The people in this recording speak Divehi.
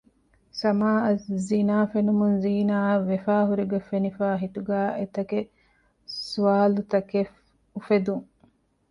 ސަމާއަށް ޒިނާފެނުމުން ޒީނާއަށް ވެފައި ހުރިގޮތް ފެނިފައި ހިތުގައި އެތަކެއް ސްވާލުތަކެއް އުފެދުން